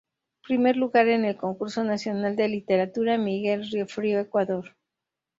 Primer lugar en el concurso nacional de literatura Miguel Riofrío, Ecuador.